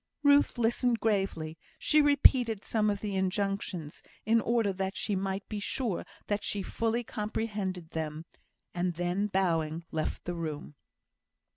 Ruth listened gravely; she repeated some of the injunctions, in order that she might be sure that she fully comprehended them, and then, bowing, left the room.